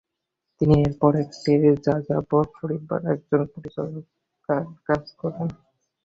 তিনি এরপর একটি যাযাবর পরিবারে একজন পরিচারিকার কাজ করেন।